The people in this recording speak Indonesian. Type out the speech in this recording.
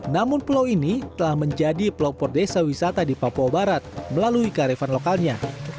namun pulau ini telah menjadi pelopor desa wisata di papua barat melalui karifan lokalnya